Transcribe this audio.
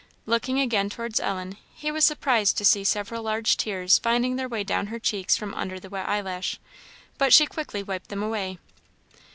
Looking again towards Ellen, he was surprised to see several large tears finding their way down her cheeks from under the wet eyelash. But she quickly wiped them away.